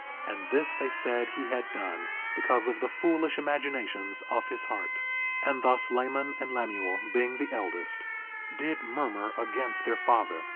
And this they said he had done because of the foolish imaginations of his heart. 2:12 And thus Laman and Lemuel, being the eldest, did murmur against their father.